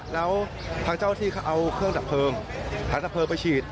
แล้วทางเจ้าที่เขาเอาเครื่องดับเพลิงหาดับเพลิงไปฉีด